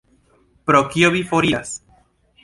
Pro kio vi foriras?